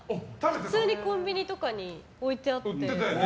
普通にコンビニとかに置いてあって。